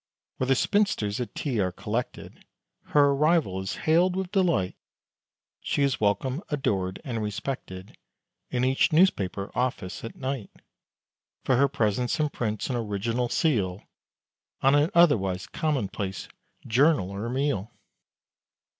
Where the spinsters at tea are collected, Her arrival is hailed with delight; She is welcomed, adored, and respected In each newspaper office at night; For her presence imprints an original seal On an otherwise commonplace journal or meal.